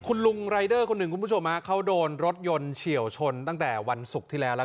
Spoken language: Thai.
คุณลุงรายเดอร์คนหนึ่งคุณผู้ชมฮะเขาโดนรถยนต์เฉียวชนตั้งแต่วันศุกร์ที่แล้วแล้ว